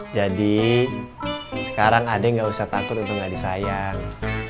jadi sekarang adek gak usah takut untuk gak disayang